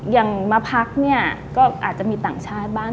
อย่างมาพักเนี่ยก็อาจจะมีต่างชาติบ้าง